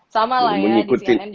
sama lah ya di cnn juga